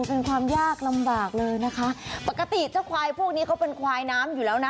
เป็นความยากลำบากเลยนะคะปกติเจ้าควายพวกนี้เขาเป็นควายน้ำอยู่แล้วนะ